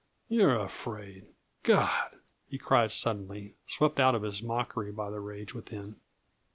You're afraid God!" he cried suddenly, swept out of his mockery by the rage within.